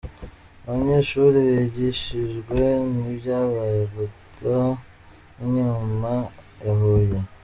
Abanyeshuri bigishijwe ntibyabaye guta inyuma ya Huye.